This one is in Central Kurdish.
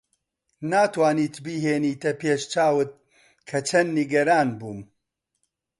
ناتوانیت بیهێنیتە پێش چاوت کە چەند نیگەران بووم.